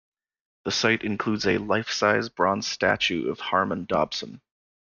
The site includes a life-size bronze statue of Harmon Dobson.